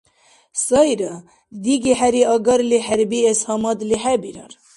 Сайра, диги-хӀери агарли хӀербиэс гьамадли хӀебирар.